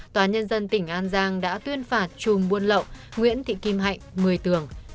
tòa nhân dân tỉnh an giang đã tuyên phạt chùm buôn lậu nguyễn thị kim hạnh một mươi tường